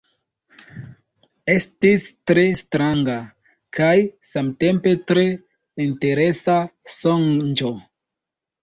Estis tre stranga, kaj samtempe tre interesa sonĝo.